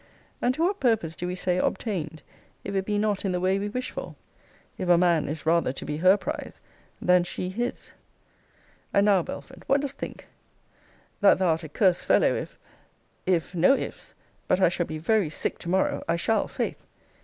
And to what purpose do we say obtained, if it be not in the way we wish for? If a man is rather to be her prize, than she his? And now, Belford, what dost think? That thou art a cursed fellow, if If no if's but I shall be very sick to morrow. I shall, 'faith.